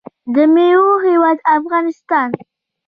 د میوو هیواد افغانستان.